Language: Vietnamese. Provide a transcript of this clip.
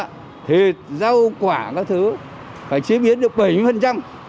thế rau quả các thứ phải chế biến được bảy mươi